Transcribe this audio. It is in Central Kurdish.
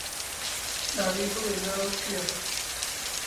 ئادەی بڵێ ناوت چییە؟